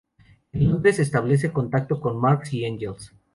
En Londres establece contacto con Marx y Engels.